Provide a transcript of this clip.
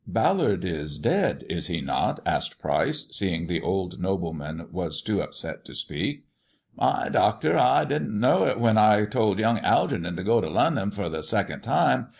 " Ballard is dead, is he not 1 " asked Pryce, seeing the old nobleman was too upset to speak. " Ay, doctor ! I didn't know it when I told young THE dwarf's chamber 139 Algeernon to go to Lunnon for the second time.